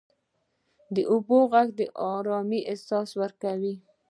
• د اوبو ږغ د آرامۍ احساس ورکوي.